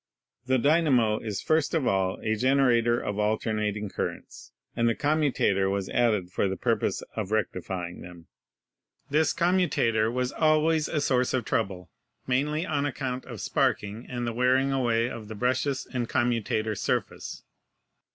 The dynamo is first of all a generator of alternating currents, and the commutator was added for the purpose of rectifying them. This commutator was always a source of trouble, mainly on account of sparking and the wearing away of the brushes and commutator surface.